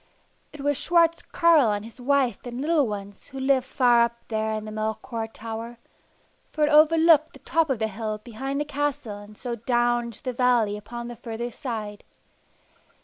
It was Schwartz Carl and his wife and little ones who lived far up there in the Melchior Tower, for it overlooked the top of the hill behind the castle and so down into the valley upon the further side.